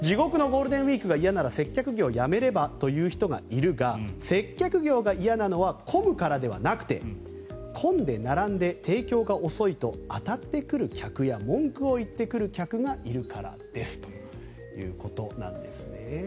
「地獄のＧＷ」が嫌なら接客業やめればという人がいるが接客業が嫌なのは混むからではなくて混んで並んで提供が遅いと当たってくる客や文句を言ってくる客がいるからですということなんですね。